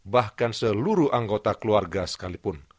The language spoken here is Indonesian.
bahkan seluruh anggota keluarga sekalipun